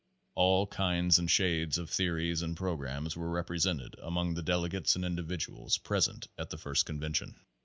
\s All kinds and shades of theories and programs were represented among the delegates and individuals pres ent at the first convention.